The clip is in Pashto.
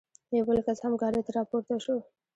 یو بل کس هم ګاډۍ ته را پورته شو.